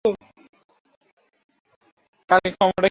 রাষ্ট্রের ক্ষমতা রাষ্ট্রপতি এবং বাথ পার্টির হাতে ন্যস্ত।